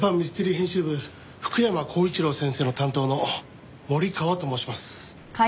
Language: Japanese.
編集部福山光一郎先生の担当の森川と申します。